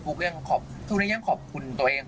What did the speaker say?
ฟุ๊กยังขอบคุณตัวเอง